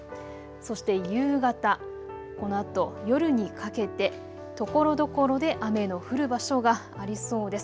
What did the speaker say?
そして夕方、このあと夜にかけてところどころで雨の降る場所がありそうです。